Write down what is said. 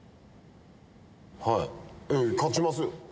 はい勝ちますよ。